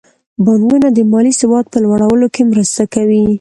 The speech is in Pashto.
بانکونه د مالي سواد په لوړولو کې مرسته کوي.